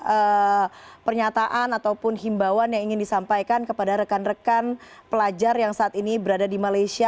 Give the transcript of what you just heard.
ada pernyataan ataupun himbawan yang ingin disampaikan kepada rekan rekan pelajar yang saat ini berada di malaysia